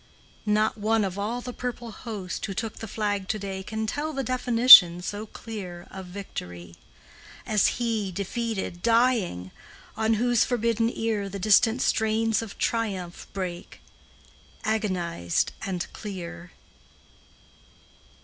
Not one of all the purple host Who took the flag to day Can tell the definition, So clear, of victory, As he, defeated, dying, On whose forbidden ear The distant strains of triumph Break, agonized and clear!